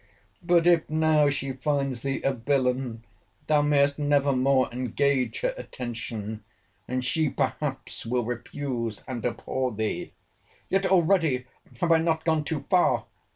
But if now she finds thee a villain, thou mayest never more engage her attention, and she perhaps will refuse and abhor thee. "Yet already have I not gone too far?